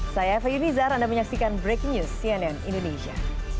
saya eva yunizar anda menyaksikan breaking news cnn indonesia